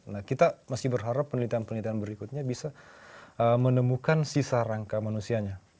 nah kita masih berharap penelitian penelitian berikutnya bisa menemukan sisa rangka manusianya